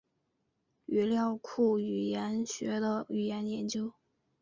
语料库语言学的语言研究。